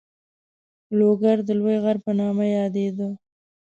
لوګر د لوی غر په نامه یادېده.